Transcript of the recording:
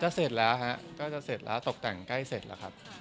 เสร็จแล้วฮะก็จะเสร็จแล้วตกแต่งใกล้เสร็จแล้วครับ